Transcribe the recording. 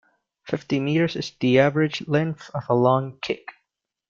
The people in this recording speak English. Fifty metres is the average length of a long kick.